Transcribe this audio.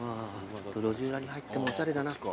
ちょっと路地裏に入ってもおしゃれだな。